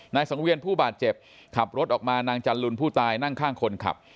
สังเวียนผู้บาดเจ็บขับรถออกมานางจันลุนผู้ตายนั่งข้างคนขับ